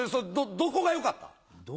「どこが良かった」？